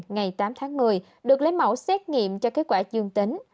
ngày tám tháng một mươi được lấy mẫu xét nghiệm cho kết quả dương tính